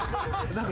何か。